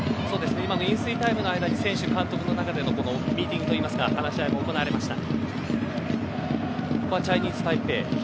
今の飲水タイムの間に選手、監督の間でミーティングというか話し合いも行われました。